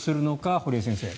堀江先生